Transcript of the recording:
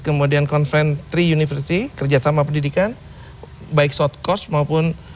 kemudian konfirmasi university kerja sama pendidikan baik soft course maupun